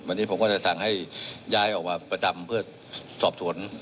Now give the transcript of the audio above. วันนี้ผมก็จะสั่งให้ย้ายออกมาประจำเพื่อสอบสวน